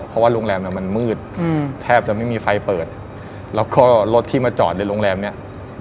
เพราะว่าโรงแรมเนี่ยมันมืดแทบจะไม่มีไฟเปิดแล้วก็รถที่มาจอดในโรงแรมเนี่ย